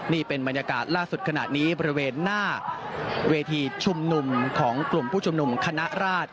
นี่เป็นบรรยากาศล่าสุดขณะนี้บริเวณหน้าเวทีชุมนุมของกลุ่มผู้ชุมนุมคณะราช